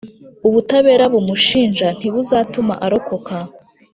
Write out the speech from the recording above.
ubutabera bumushinja ntibuzatuma arokoka.